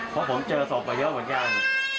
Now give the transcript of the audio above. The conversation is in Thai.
เพราะผมเจอศพมาเยอะเหมือนกัน